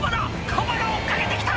カバが追っかけてきた！」